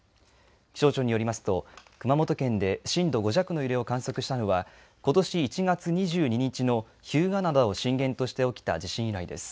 気象庁によりますと、熊本県で震度５弱の揺れを観測したのはことし１月２２日の日向灘を震源として起きた地震以来です。